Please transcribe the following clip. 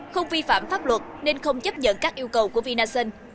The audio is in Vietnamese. không vi phạm pháp luật nên không chấp nhận các yêu cầu của vinasun